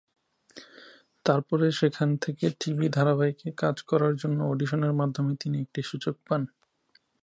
তারপরে সেখান থেকে টিভি ধারাবাহিকে কাজ করার জন্য অডিশনের মাধ্যমে তিনি একটি সুযোগ পান।